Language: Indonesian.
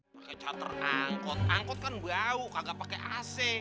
pakai charter angkot angkot kan bau kagak pakai ac